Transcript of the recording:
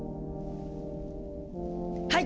はい！